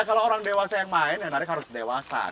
kalau orang dewasa yang main ya narik harus lebih cepat